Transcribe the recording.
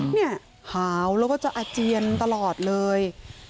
เนี่ยหาวแล้วก็จะอาเจียนตลอดเลย